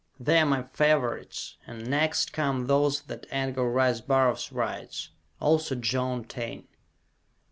They are my favorites, and next come those that Edgar Rice Burroughs writes; also John Taine.